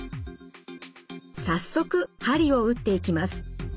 早速鍼を打っていきます。